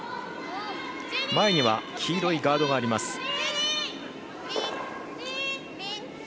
前には黄色いガードがあります。